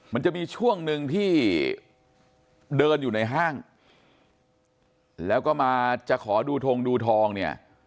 มันจะมีช่วงหนึ่งที่เดินอยู่ในห้างแล้วก็มาจะขอดูทงดูทองเนี่ย